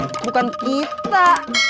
mantap pak bukan kita